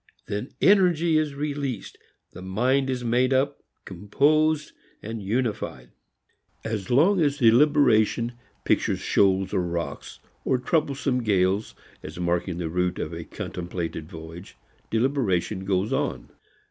Then energy is released. The mind is made up, composed, unified. As long as deliberation pictures shoals or rocks or troublesome gales as marking the route of a contemplated voyage, deliberation goes on.